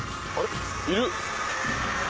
いる！